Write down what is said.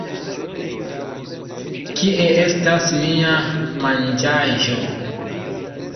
Kie estas mia manĝaĵo?